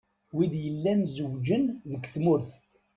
Wid yellan zewjen deg tmurt.